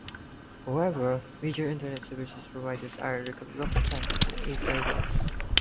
However, major Internet services providers are reluctant to aid rivals.